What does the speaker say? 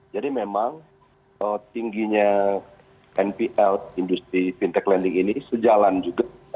jadi memang tingginya npl industri fintech lending ini sejalan juga